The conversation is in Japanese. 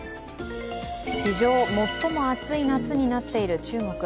史上最も暑い夏になっている中国。